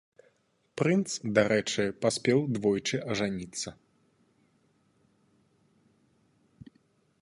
Прынц, дарэчы, паспеў двойчы ажаніцца.